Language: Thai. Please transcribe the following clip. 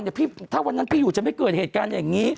เดี๋ยวพี่ถ้าวันนั้นพี่อยู่จะไม่เกิดแรกเกิดการณ์แบบนี้